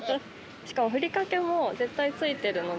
しかもふりかけも絶対付いてるので。